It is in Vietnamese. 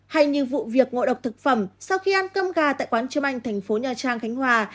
hay như vụ việc ngộ độc thực phẩm sau khi ăn cơm gà tại quán chương anh tp nha trang khánh hòa